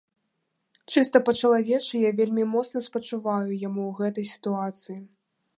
Чыста па чалавечы я вельмі моцна спачуваю яму ў гэтай сітуацыі.